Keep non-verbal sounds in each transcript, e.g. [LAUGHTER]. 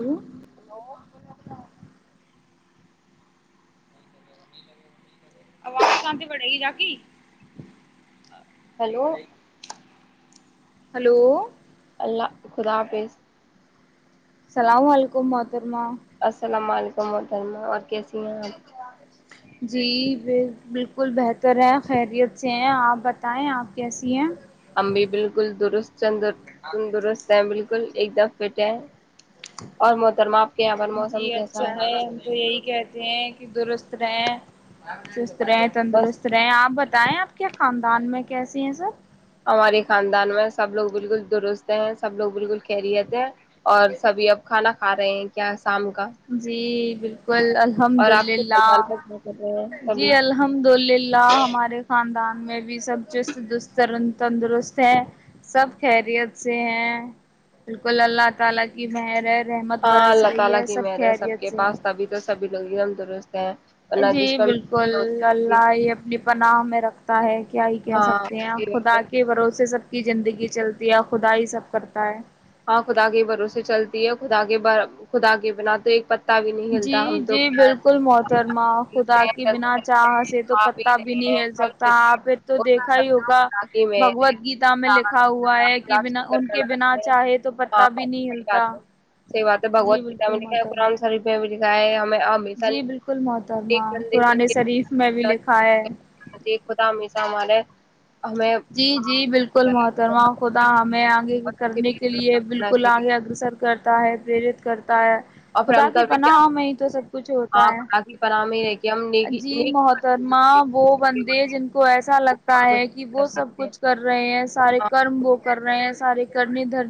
Hello آواز ا کاند بڑے ہی جااکی ہیلو ہلو اللہ خدا حافظ اللام و علیکم مادرما السلام علیکم متمہ اور کیسے جپ جی بالکل بہتر ہے خیریت سے ہیں آپ بتائیں آپ کیسی ہیں امبی بالکل درست ندر تندرست ہے بک بکل ایک دم فٹ ہے اور م جی اچھا ہے ہم تو یہی کہتے ہیں کہ درست رہےیں اچ بس تندرست رہے آ بت بتیں آپ کے خاندان میں کیسی ہیں سر ہمارے خاندان میں سب لوگ بالکل درست ہیں سب لوگ بالکل خھیریتے ہیں اور سبھی اب کھانا کھاے ہیں کیا شام کا جی بالکل بل الحمد اور آپ کو للہ کیا کر رہے ہیں جی سبھی الحمد للہ ہمارے خاندان [INAUDIBLE] رحمت ہاں برس اللہ رہی تعالی ہے کی سب مہر سب خیریت کے سے پاستا ہے بھی تو سبھی لوگ درست ہیں ورنہ جس جی پر بالکل اللہ ہی اپنی بناؤ میں رکھتا ہے کیا ہی کہہ سکتے ہیں خدا ہاں کے بھروسے سب کی زندگی چلتی ہے خدا ہی سب کرتا ہے ہاں خدا کے بھروسے چلتی ہے خدا کے ب خدا کے بنا تو ایک پ جی جی بالکل محترما خدا کے بنا تندرست چاہ ہیں سے تو کھا پی پتا بھی رہے نہیں ہیں ہل پھل سکتا پھر رہے ہیں آپ نے تو اس میں دیکھا سب ہی ہوگا خدا کی مہر ہے بھگوت گیتا میں لکھا ہوا ہے کہ بنا ان کے بنا چاہے تو پتا بھی نہیں ہاںات ہلتا ہے س بات ہے بگوود جی گیتا بالکل محترمہ لرام شریف گائے گ امیشا م جی بالکل محترمہ قرآن م شریف میں بھی لکھا ہے ایک ہوتا امیشا ہمارے ہمیں جی جی بالکل محترمہ خدا ہمیں آگے کرنے کے لیے اپنا بالکل چاہیے آگے اگگرسر کرتا ہے پرییرت کرتا ہے اور پھر خدا ہم کی کبھی کیا پناہ ہو میں تو سب کچھ ہوتا ہاں ہے خدا کی پناہ میں ہی رہ کے ہم نیکی جی نیک محترما وہ بندے جن کو ایسا لگتا ہے کہ کر وہ سب سکتے ہیں کچھ کر رہے ہیں سارے کرم وہ کر رہے ہیں سارے کرنے دھر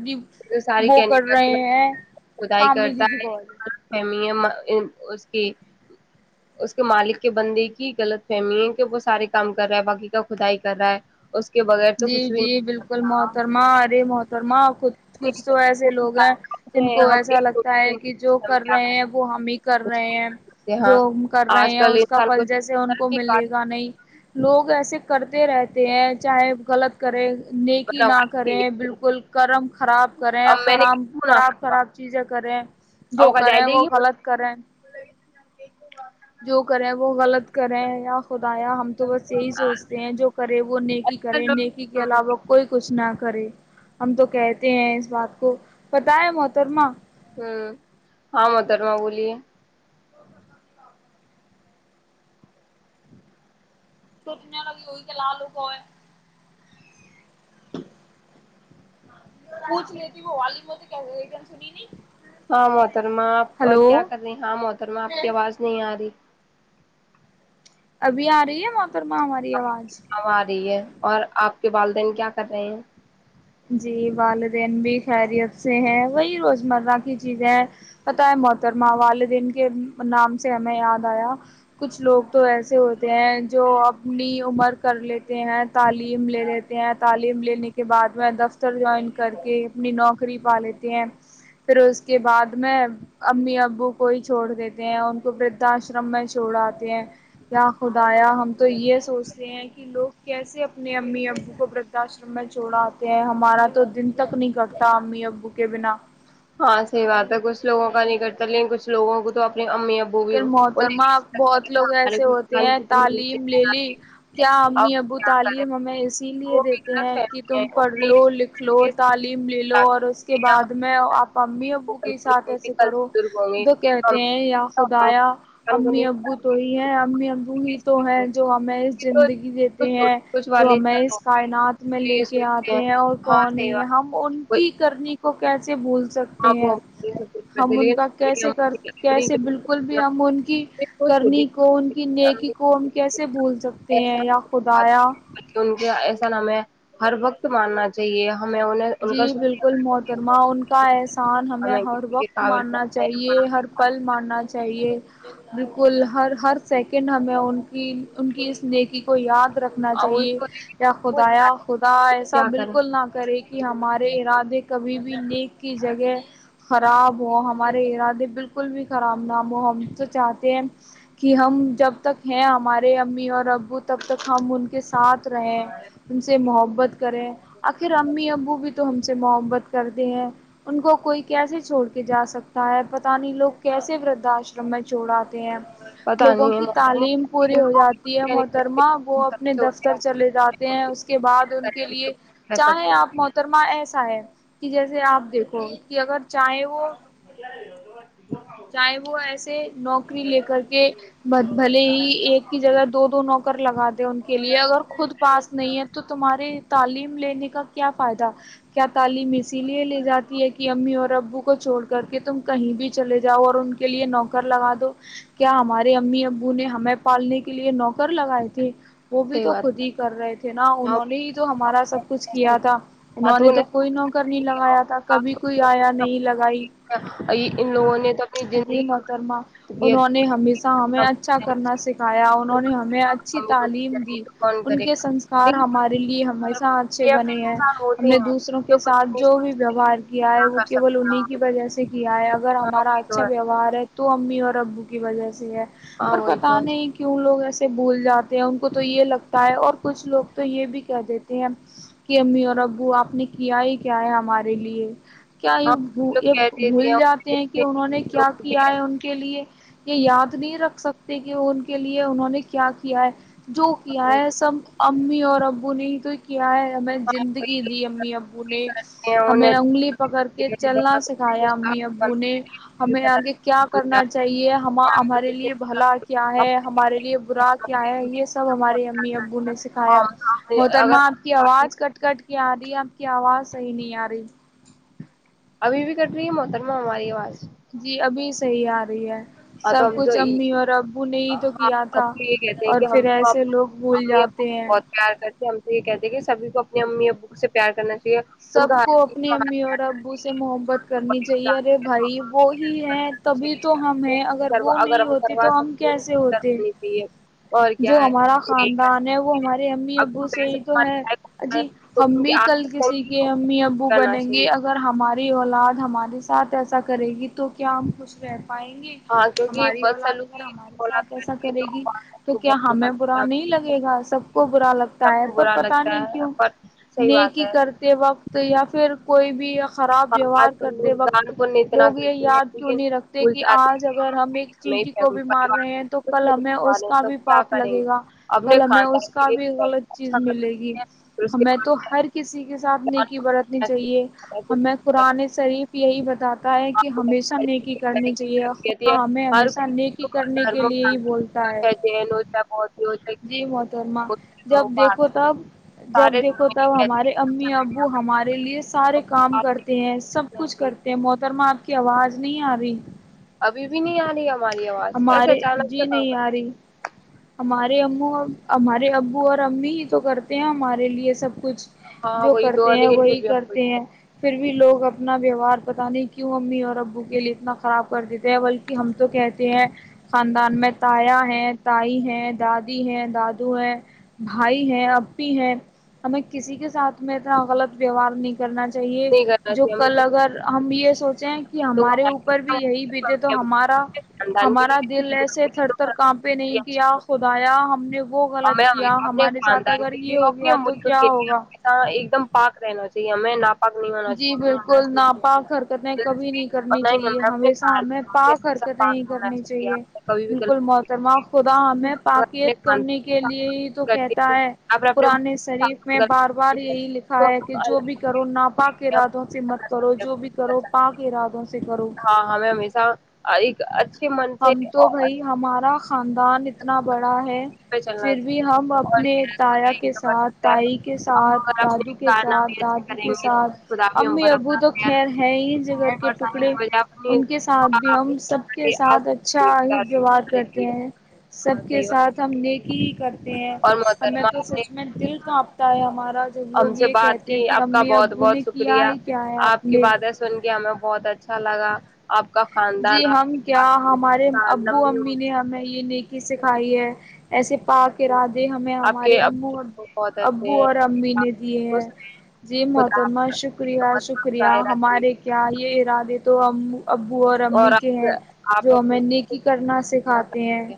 جو ساری وہ کہنے کر رہے والی ہیں خدائی کام نہیں دی کرتا جی ہے کوال غلط اس اس کے مالک کے بندے کی غلط فہمی ہے کہ وہ سارے کام کر رہا ہے باقی کا کدائی کر رہا ہے اس کے بغیر تو جی کچھ بھی جی نہیں۔ بالکل محترما ارے محترما کچھ کچھ تو ایسے لوگ ہیں جن کو ہم ایسا ایک لگتا ہے کہ جو ہم کر کیا رہے ہیں سکتے وہ ہم ہی کر کچھ رہے نہیں ہیں کر سکتے۔ جو ہاں کر رہے آج ہیں کل اس کا انسان پھل جیسے ان کو ملے گا نہیں لوگ ایسے کرتے رہتے ہیں چاہے غلط کرے نیکی نہ تھی، کریں بالکل کرم خراب کریں اب میں نے خراب خراب منافع خراب چیزیں کریں جو اب کا جائے کریں دے وہ گی غلط کریں جو کرے وہ غلط کرے یا خدایا ہم تو بس یہی سوچتے ہیں جو کرے وہ نیکی کرے نیکی کے علاوہ کوئی کچھ نہ [UNINTELLIGIBLE] کرے ہم تو کہتے ہیں اس بات کو پتا ہے محترما [UNINTELLIGIBLE] ہوں ہاں مدرم بولیے [UNINTELLIGIBLE] توتیا لگی ہوئی کہ ل لوگ ہوئے [UNINTELLIGIBLE] ہ [UNINTELLIGIBLE] پوچھ رہی تھی وہ والیم وہ تو کہن سنی نہیں [UNINTELLIGIBLE] ہاں محترما آپ اور کیا کر رہے ہاں محترما آپ کی آواز نہیں آ رہی [UNINTELLIGIBLE] ابھی آ رہی ہے وہ [UNINTELLIGIBLE] ہم رہی ہے اور آپ [UNINTELLIGIBLE] کے والدین کیا کر رہے ہیں [UNINTELLIGIBLE] جی والدین بھی خیریت سے ہیں وہی روزمرہ کی چیزیں ہیں پتہ ہے محترمہ والدین کے نام سے ہمیں یاد آیا کچھ لوگ تو ایسے ہوتے ہیں جو اپنی عمر کر لیتے ہیں تعلیم لے لیتے ہیں تعلیم لینے کے بعد [UNINTELLIGIBLE] میں دفتر جوائن کر کے اپنی نوکری پا لیتے ہیں [UNINTELLIGIBLE] پھر اس کے بعد میں امی ابو کو ہی چھوڑ دیتے ہیں ان کو ردھاشرم میں چھوڑاتے ہیں یا خدایا ہم تو یہ سوچتے ہیں کہ لوگ کیسے اپنے امی ابو کو دھاشرم میں چھوڑا ہمارا تو دن تک نہیں کرتا امی ابو کے بنا [UNINTELLIGIBLE] ہاں صحی بات ہے کچھ لوگوں کا نہیں کرتا لیکن کچھ لوگوں کو تو [UNINTELLIGIBLE] ابو بھی لیکن محترمہ انہیں بہت لوگ ہمارے ایسے ہوتے ہیں تعلیم لے لی کیا کیا امی ابو کریں۔ تعلیم ہمیں اسی لیے وہ بھی دیتے غلط ہیں کہ فہمی ہے تم پڑھ انہیں لو لکھ لو یہ چیز تعلیم لے لو اور اس کے یا ہم بعد میں [UNINTELLIGIBLE] امی کو ابو کل کے ساتھ ایسے کرو بزرگ ہوں گے تو ہم کہتے ہیں یا [UNINTELLIGIBLE] ہم کو امی نہیں ابو تو ہی ہیں امی ابو ہی تو سمجھتے ہیں جو ہمیں اس ہیں. زندگی دیتے کچھ ہیں کچھ جو والد ہمیں اس کائنات میں لے یہ کے سوچتے آتے ہیں اور ہاں کون ہی سیوا ہے ہم ان کوئی کی کرنی [UNINTELLIGIBLE] کو کیسے بول [UNINTELLIGIBLE] سکتی ہاں ہیں وہ یہ سب کچھ کرتے ہم ان کا لیکن ہم کیسے کر اپنی کیسے بالکل [UNINTELLIGIBLE] ل بھی ہم ان کی وہ چھوٹی کرنی کو ان کی نیکی کو ہم کیسے بھول سکتے ہیں یا خدایا [UNINTELLIGIBLE] ایسا نام ہے ہر وقت ماننا چاہیے [UNINTELLIGIBLE] ان جی کا شکریہ بالکل کرنا محترما چاہیے ان کا ایسا [UNINTELLIGIBLE] انسان اور ہمیں میں ہر کسی کے وقت قابل ماننا بنا یا پڑھا چاہیے ہر لکھا پل دیا ماننا چاہیے [UNINTELLIGIBLE] یہ بالکل ہر ہر سیکنڈ ہمیں ان [UNINTELLIGIBLE] کہ ان کی اس نیکی کو یاد رکھنا اور وہ اس چاہیے کو لیکن یا وہ خدا یا زیادہ خدا ایسا کیا کریں بالکل نہ کرے کہ ہمارے ارادے کبھی بھی نیک کی جگہ خراب ہو ہمارے ارادے بالکل بھی خراب نہ ہو ہم تو چاہتے ہیں کہ ہم جب تک ہیں ہمارے امی اور ا تب تک ہم ان کے ساتھ رہیں ان سے محبت کریں آخر امی اب تو ہم سے محبت کرتے ہیں ان کو کوئی کیسے چھوڑ کے جا سکتا ہے پت نہیں لوگ کیسے ودھاشرم میں چوڑ آے ہیں پتہ لوگوں نہیں ہے کی محترمہ تعلیم پوری لیکن ہو لوگوں کی جاتی ہے سوچ نہیں سکتے محترما وہ ہم سب اپنے سے ہوتے دفتر ہیں کچھ چلے لوگوں نے جاتے ہیں ہوتے اس کے بعد ان کیا کریں، کے ہم تو لیے کچھ کر چاہے سکتے ہیں۔ آپ م رما ایسا ہے کہ جیسے آپ دیکھو کہ اگر چاہے وہ چاہے وہ ایسے نوکری لے کر کے بھلے ہی ایک کی جگہ دو دو نوکر لگاتے ان کے لیے اگر خود پاس نہیں ہے تو تمہاری تعلیم لینے کا کیا فائدہ کیا تعلیم اسی لیے لے جاتی ہے کہ امی اور ابو کو چھوڑ کر کہ تم کہیں بھی چلے جاؤ اور ان کے لیے نوکر لگا دو کیا ہمارے امی ابو نے ہمیں پالنے کے لیے نوکر لگائے تھے وہ بھی صحیح تو بات خود ہے ہی کر رہے تھے نا یہاں انہوں نے ہی تو ہمارا سب کچھ کیا تھا انہوں نے خاتون تو ہے، کوئی نوکر نہیں لگایا تھا کبھی کوئی آیا نہیں لگائی یہ ان لوگوں نے تو اپنی یہ زندگی میں محترما انہوں نے ہمیشہ ہمیں اچھا کرنا سکھایا انہوں نے ہمیں اچھی ہم ہی لوگ تعلیم کریں گے دی تو کون ان کرے کے گا سنسکار لیکن ہمارے لیے ہمیشہ اچھے یہ بنے پھر ہیں انسان ہم ہوتے نے ہیں دوسروں جو کے کچھ ساتھ نہیں جو بھی سوچ سکتے ویوہار کیا ہے نہ وہ کر کیول سکتے ہیں ہم۔ انہیں کی وجہ سے کیا ہے ا گر ہاں ہمارا وہی تو اچھا ہے ویوہار ہے تو ممی اور ابو کی وجہ سے ہے ہاں پر وہی تو پتا ہے نہیں کیوں لوگ ایسے بھول جاتے ہیں ان کو تو یہ لگتا ہے اور کچھ لوگ تو یہ بھی کہ دیتے کہ امی اورر وہ آپ نے کیا ہی کیا ہے ہمارے لیے کیا ہم یہ لوگ یہ کہتے تھے بھول ہم جاتے ہیں کہ دیکھتے انہوں نے کیا لوگوں کے کیا ہے ایسے، ان کے لیے یہ یاد نہیں رکھ سکتے کہ ان کے لیے انہوں نے کیا کیا ہے جو ہاں کیا وہی ہے تو، سب امی اور ابو نے تو کیا ہے ہمیں ہاں وہی زندگی دی امی ابو وہی نے کرتے ہیں، ہمیں انہیں انگلی پکڑ کے بھی چلنا پتا سکھایا امی ابو نے ہمیں جاتے ہیں آگے کیا کرنا چاہیے ہم تو ہمارے کچھ لیے نہیں بھلا کیا پتا۔ ہے ہمارے لیے برا کیا ہے یہ سب ہمارے امی ابو نے سکھایا ہم اگر ہوترما آپ کی آواز کٹ کٹ کیا آ رہی ہے آپ کی آواز صحیح نہیں آ رہی ابھی بھی ک کر رہی ہے محتر میں ہم جی ابھی صحیح آ رہی ہے ہاں سب تو ہم کچھ تو امی اور ابو نے ہی تو ہاں کیا تھا ابھی یہ کہتے ہیں اور کہ ہم پھر کو ایسے اپ- لوگ بھول امی ابو جاتے کو ہیں بہت پیار کرتے ہم سے یہ کہتے کہ سبھی کو اپنی امی ابوک سے پیار کرنا چاہیے ان سب کا ہر کو چیز اپنی کا ہاتھ امی اور بڑھانا ابو سے چاہیے، محبت کرنی بڑے ہو چاہیے جاتے ارے ہیں تو بھائی ان وہ کی ہی ہیلپ ہے کرنا تبھی تو چاہیے، ہم وہ بھی اگر کروا وہ نہیں اگر ہم ہوتے کروا تو ہم سکتے ہیں کیسے ہوتے کرنی چاہیے اور کیا جو ہے ہمارا نہیں کر خاندان سکتے۔ ہے وہ ہمارے امی اب ابو تم سے پیسے ہی تو ہے جی ہم بھی کمانا کل ک کہ امی ابو کرنا بنیں چاہیے گے اگر ہمارے اولاد ہمارے ساتھ ایسا کرے گی تو کیا ہم خوش رہتے پائیں گے ہاں کیونکہ ہماری بد اولاد اگر سلوکی ہمارے اولاد ساتھ ایسا کرتی ہے کرے تو ماں گی باپ تو کو کیا بہت ہمیں برا لگتا نہیں ہے لگے گا سب کو برا لگتا سب ہے کو پر برا پتا لگتا نہیں ہے کیوں پر صحیح نیک بات ہے کر یا پھر کوئی بھی خراب ہم ویوہار آج کل کرتے لوگ دان وقت پن اتنا لوگ یہ کرتے ہیں یاد کیوں لیکن نہیں رکھتے بھول کہ جاتے آج ہیں کہ اگر ہم ہمیں ایک ہمیں چینٹی کو فیملی بھی مار پریوار رہے ہیں تو کچھ کل نہیں ہمیں کر پا اس رہے کا ہیں تو بھی کیا پاپ کریں لگے گے گا اپنے کل ہمیں خاندان اس کے کا لیے بھی پہلے غلط چیز اچھا کر ملے گی سکتے ہیں پھر اس کے ہمیں تو بعد ہر کسی کے ساتھ میں نیکی برتنی چاہیے دان ہمیں پررن پن شریف یہی بتاتا آپ کہ کو ہمیشہ نیکی کرنی چاہیے کہتی ہے ہاں ہمیں ہر ہمیشہ کوئی نیکی کرنے کے دھرم لئے ہی بولتا ہے چاہے جین ہو چاہے بودھ ہو چاہے جی محترما مسلم جب ہو دیکھو پارسی ہو تب جب سارے دیکھو دھرم یہی تب کہتے ہیں ہمارے کہ سب سے امی پہلے ابو ہمیں ہمارے لیے سارے کام آپ کرتے ہیں کرنا سب کچھ چاہیے کرتے ہیں محترما آپ کے کہ آواز نہیں آ رہی نی آم ہمارے جی نہیں آ رہی مارے ام ہمارے ابو اور امی تو کرتے ہیں ہمارے لیے سب کچھ ہاں جو وہی تو کرتے ہے ہیں لیکن پھر وہی بھی ہم کو کرتے ہیں پھر بھی بھی لوگ اپنا ویوہار پتہ نہیں کیوں امی اور ابو کے لیے اتنا خراب کر دیتے ہیں بلکہ ہم تو کہتے ہیں خاندان میں تایا ہیں تائی ہیں دادی ہیں دادو ہیں بھائی ہیں ای ہیں ہمیں کسی کے ساتھ میں اتنا غلط ویوہار نہیں کرنا چاہیے نہیں کرنا جو چاہیے ہمیں کل اگر ہم یہ سوچیں کہ کہ ہمارے اوپر بھی یہی بیجے تو ہمارا خاندان کے ہمارا دل ایسے تھر تھر کاپ پہ نہیں کیا لیے خدایا ہم نے وہ اور غلط ہمیں کیا ہمیشہ اپنے ہمارے ساتھ خاندان اگر کے لیے یہ اور ہو اپنے گیا تو ملک کیا کے لیے ہوگا ہمیشہ ایک دم پک رہ ن چیے ہمیں پ جی بالکل ناپاک حرکت میں دل کبھی سے نہیں اور کرنی نہ ہی چاہیے ہمیں اپنے ہمیشہ ہمیں کارناموں سے پاک ہمیشہ حرکتیں پاک نہیں رہنا کرنی چاہیے ہمیں کبھی بھی بالکل غلط محترمہ خدا نہیں ہمیں کرنا چاہیے۔ اپنے پاکیت خاندان کرنے کے لیے ساتھ ہی تو کرتے کہتا ہیں ہے یا پھر اپنے قرآن ملک کے شریف ساتھ میں غلط بار بار کرتے ہیں یہی لکھا تو ہے کہ ہم جو اللہ بھی کرو نا پا کو ارادوں سے مت کرو جو بھی کرو پاک کے ارادوں سے کرو ہاں ہمیں ہمیشہ ایک اچھے من سے ان اتنا بڑا ہے پہ چلنا پھر بھی چاہیے ہم اور اپنے کیا خدا تایا ہی کے سمجھ ساتھ سکتا تائی ہے کے ہم ساتھ اگر دادو اپنی کے ساتھ کارنامے اچھے دادی کریں کے گے ساتھ تو خدا بھی ہم امی پر ابو اپنا تو خیر ہے ہی ج گھر خیر کے برسانے ٹکڑے کی بجائے اپنی ان کے ساتھ بھی دعا ہم سب کے آس ساتھ اچھا ہی ووہار کرے کرتے گی۔ ہیں ہاں سب کے صحیح بات ہے۔ ساتھ ہم نیکی ہی کرتے ہیں اور ہمیں محترمہ تو آپ نے سچ میں دل کانپتا ہے ہمارا جب ہم لوگ سے یہ بات کہتے ہیں کی کہ آپ کا امی اب بہت بہت شکریہ آپ کی باتیں سن کے ہمیں بہت اچھا سالگا جی ہم کیا ہمارے ابو لمبی امی عمر نے ہمیں یہ نیک سکھائی ہے ایسے پا کے رات ہمیں آپ کے ہمارے او ابو بہت اچھے ابو ہیں اور امی نے دیے خوش ہیں جی خدا محتمہ شکریہ آپ شکریہ ائے رکھے ہمارے کیا یہ ارادے تو ہمب ابو اور امی کے ہیں آپ جو اپنے ہمیں لوگوں نیکی کی کرنا مدد سکھاتے ہیں کریں۔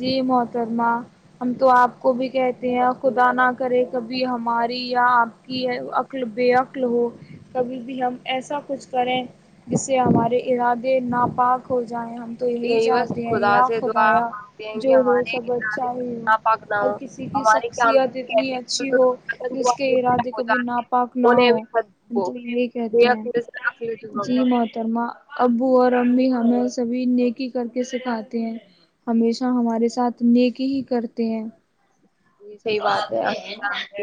جی محترمہ ہم تو آپ کو بھی کہتے ہیں خدا نہ کرے کبھی ہمارے یا آپ کی عکل بے عقل ہو کبھی بھی ہم ایسا کچھ کریں جس سے ہمارے ارادے ناپاک ہو جیں ہم تو یہی بس چاہتے ہیں خدا یا سے دعا خدایا مانگتے ہیں جو کہ ہو ہمارے سب ارادے اچھا ہی ہو ناپاک نہ ہر ہو کسی کی ہمارے کام شخصیت اتنی کہتے اچھی ہو ہیں کہ اس کے ارادے ہو کبھی جاتے ہیں، ناپاک نہ انہیں ہو بھی مت ہم وہ تو یہی بے کہتے ہیں عقلی سے عقلمند جی ہوگا۔ محترما ابو اور امی ہمیں سبھی نیکی کر کے سکھاتے ہیں ہمیشہ ہمارے ساتھ نیکی ہی کرتے ہیں یہ صحیح بات ہے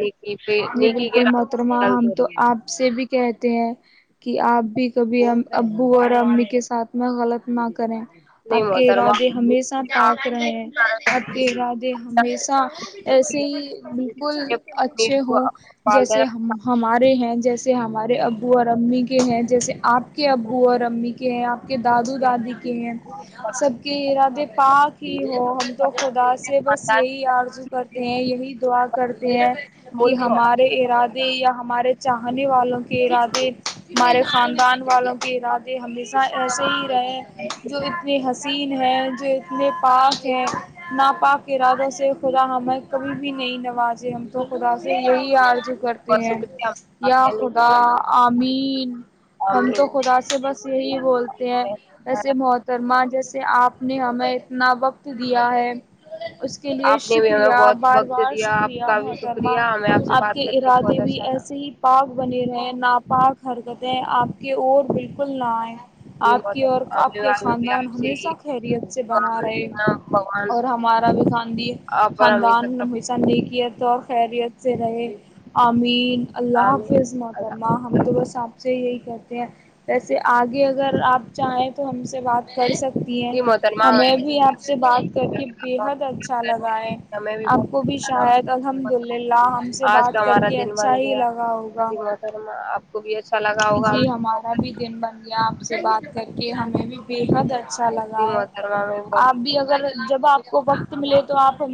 نیکی پہ جی نیکی کے بالکل راستے مترما چلتے ہم تو رہو۔ آپ سے بھی کہتے ہیں کہ آپ بھی کبھی ہم ابو اور امی کے ساتھ میں غلط نہ کریں نہیں آپ کے محترمہ ارادے ہمیشہ آپ طاق رہے ہیں کر رہے آپ کے ہیں۔ ارادے ہمیشہ ایسے ہی بالکل اچھے ہوں جیسے ہمارے ہیں جیسے سے ہمارے ابو اور امی کے ہیں جیسے آپ کے ابو اور امی کے ہیں آپ کے دادو دادی سب کے ارادے پاک ہی ہو ہم تو خدا سے بس خاندان کی یہی آرزو ترقی کے کرتے لیے، ہیں یہی دعا کرتے ہیں کہ ملک ہمارے ارادے یا ہمارے چاہنے والوں کے ارادے ہمارے خاندان والوں کی رات ہمیشہ ایس ہی ہیں جو اتنے حسین ہیں جو اتنے پاک ہیں ناپاک ارادوں سے خدا ہمیں کبھی بھی نہیں نوازے ہم تو خدا سے یہی آارج کرتے اور ہیں شکریہ بات یا کرنے کے خدا لیے عام ج [INAUDIBLE] ہم تو آمین خدا سے بس ہی بولتے ہیں اییسے محترما جیسے آپ نے ہمیں اتنا وقت دیا ہے اس کے لیے آپ نے بھی ہمیں شکریہ بہت بار وقت بار دیا آپ شکریہ کا بھی محترمہ شکریہ ہمیں سے آپ بات کے کر ارادے بہت بھی اچھا ایسے لگا ہی پاک بنے رہے ناپاک حرکتیں آپ کے اور بالکل کللائے جی آپ کی بہت اور آپ کے خاندان سے ہمیشہ خیریت سے بنا رہے بھگوان اور ہمارا بھی خاند آپ پر ہمیشہ خاندانمیشہیک تو خیریت سے رہے امین اللہ آمین حافظ اللہ محترمہ ہم تو بس آپ سے یہی کہتے ہیں جیسے آگے اگر آپ چاہیں تو ہم سے بات کر سکتے جی محترمہ ہمیں بھی آپ سے بات کر کے بےحد اچھا کرتے لگا ہے رہے ہمیں آپ کو بھی بہت شاید الحمد للہ ہم سے آج کا بات کر ہمارا کے دن اچھا بن ہی گیا لگا ہوگا جی محترمہ آپ کو بھی اچھا لگا ہوگا جی ہمیں ہمارے بھی دن بن گیا آپ سے بات کر کے میں بھی بےحدر اچھا لگا جی ہے محترمہ ہمیں بہت آپ بھی اگر جب آپ کو وقت ملے تو آپ ہم